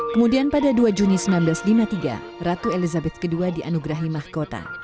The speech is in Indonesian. kemudian pada dua juni seribu sembilan ratus lima puluh tiga ratu elizabeth ii dianugerahi mahkota